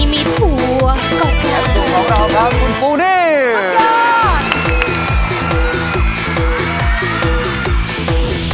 สำเร็จ